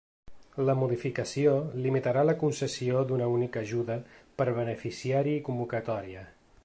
La modificació limitarà la concessió d’una única ajuda per beneficiari i convocatòria.